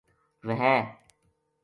وھے